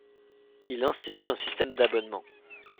Il institue un système d'abonnement.